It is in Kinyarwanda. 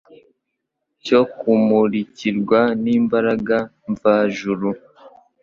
cyo kumurikirwa n’imbaraga mvajuru,